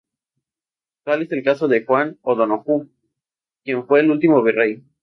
Tal es el caso de Juan O'Donojú quien fue el último virrey.